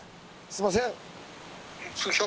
すいません！